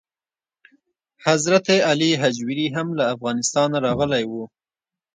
حضرت علي هجویري هم له افغانستانه راغلی و.